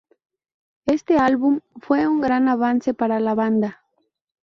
Éste álbum fue un gran avance para la banda.